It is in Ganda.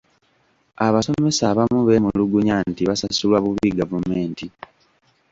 Abasomesa abamu beemulugunya nti basasulwa bubi gavumenti.